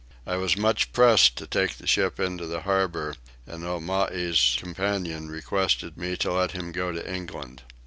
I was much pressed to take the ship into the harbour, and Omai's companion requested me to let him go to England.